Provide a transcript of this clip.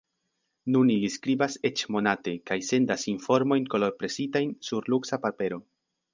Nun ili skribas eĉ monate kaj sendas informojn kolorpresitajn sur luksa papero.